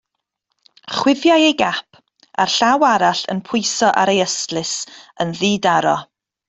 Chwifiai ei gap, a'r llaw arall yn pwyso ar ei ystlys, yn ddidaro.